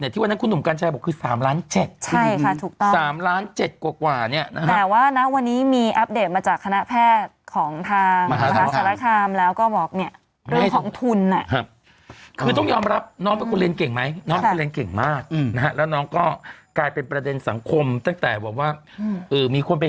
ถูกนะครับแต่นี่ก็ยังดีนะ